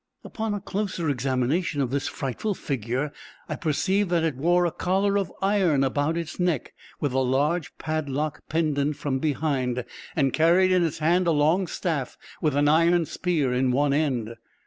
Upon a closer examination of this frightful figure, I perceived that it wore a collar of iron about its neck, with a large padlock pendant from behind, and carried in its hand a long staff, with an iron spear in one end.